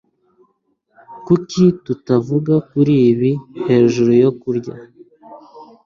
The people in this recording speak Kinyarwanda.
kuki tutavuga kuri ibi hejuru yo kurya